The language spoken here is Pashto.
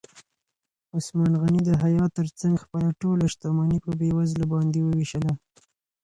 عثمان غني د حیا تر څنګ خپله ټوله شتمني په بېوزلو باندې ووېشله.